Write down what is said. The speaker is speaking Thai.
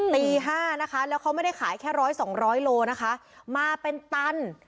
ตีห้านะคะแล้วเขาไม่ได้ขายแค่ร้อยสองร้อยโลนะคะมาเป็นตัน